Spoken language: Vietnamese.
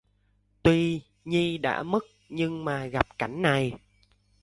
Tuy nhi đã mất nhưng mà gặp cảnh này